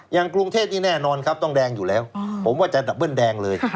อย่างกรุงเทพนี่แน่นอนครับต้องแดงอยู่แล้วผมว่าจะดับเบิ้ลแดงเลย